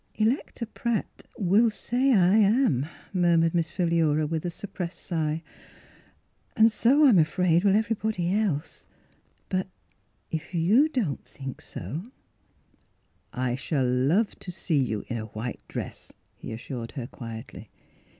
" Electa Pratt will say I am," mur mured Miss Philura, with a suppressed sigh, " and so, I'm afraid, will everybody else. But — if you don't think so —"" I shall love to see you in a white dress," he assured her quietly.